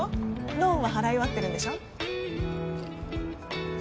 ローンは払い終わってるんでしょ？